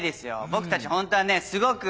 僕たちホントはねすごく。